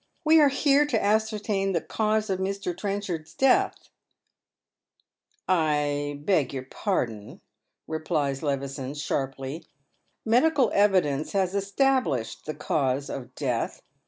We are here to ascertain the cause of Mr.'^Trenchard's death ?"" I beg your pardon," replies Levison, sharply. " Medical evidence has established the cause of death.